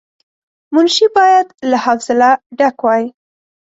منشي باید له حوصله ډک وای.